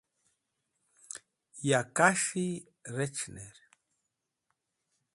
ya kas̃hi rec̃h'ner